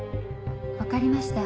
わかりました。